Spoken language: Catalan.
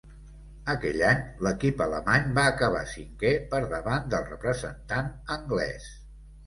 Aquell any l'equip alemany va acabar cinquè, per davant del representant anglès.